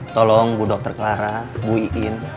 tolong bu dr clara bu iin